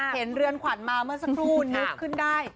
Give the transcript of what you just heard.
เรือนขวัญมาเมื่อสักครู่นึกขึ้นได้